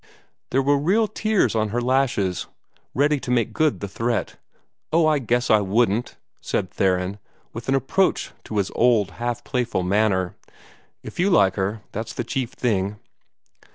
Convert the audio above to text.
There were real tears on her lashes, ready to make good the threat. "Oh, I guess I wouldn't," said Theron, with an approach to his old, half playful manner. "If you like her, that's the chief thing."